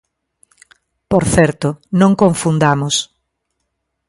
Por certo, non confundamos.